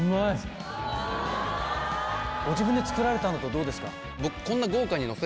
ご自分で作られたのとどうですか？